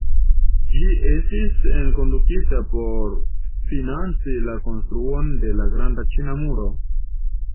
Ĝi estis enkondukita por financi la konstruon de la Granda Ĉina Muro.